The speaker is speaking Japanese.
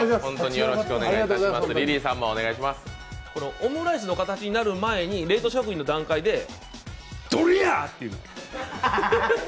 オムライスの形になる前に、冷凍食品の段階でドリャ！って言う。